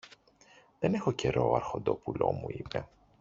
Δεν έχω καιρό, αρχοντόπουλο μου, είπε.